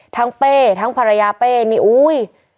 เป้ทั้งภรรยาเป้นี่อุ้ย